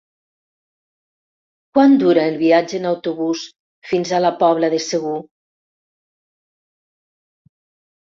Quant dura el viatge en autobús fins a la Pobla de Segur?